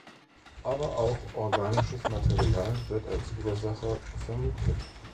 Aber auch organisches Material wird als Ursache vermutet.